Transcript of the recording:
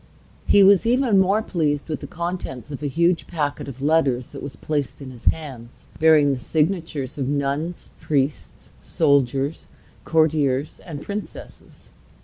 He was even more pleased with the contents of a huge packet of letters that was placed in his hands, bearing the signatures of nuns, priests, soldiers, courtiers, and princesses.